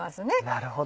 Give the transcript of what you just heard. なるほど。